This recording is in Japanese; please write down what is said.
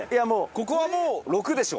ここはもう６でしょ。